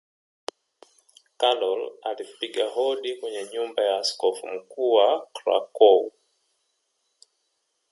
karol alipiga hodi kwenye nyumba ya askofu mkuu wa Krakow